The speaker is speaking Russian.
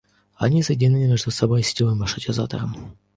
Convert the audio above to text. Они соединены между собой сетевым маршрутизатором